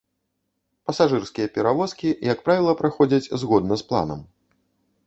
Пасажырскія перавозкі, як правіла, праходзяць згодна з планам.